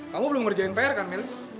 kamu belum ngerjain pr kan meli